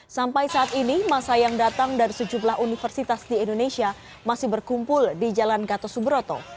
sampai saat ini masa yang datang dari sejumlah universitas di indonesia masih berkumpul di jalan gatot subroto